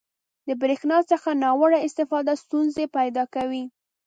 • د برېښنا څخه ناوړه استفاده ستونزې پیدا کوي.